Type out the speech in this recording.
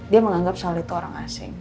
dia menganggap saldo itu orang asing